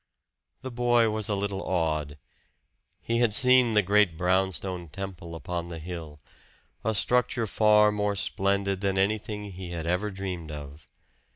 The boy was a little awed. He had seen the great brownstone temple upon the hill a structure far more splendid than anything he had ever dreamed of.